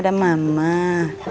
udah panjang banget